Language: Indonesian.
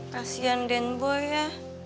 kasian deng boi ya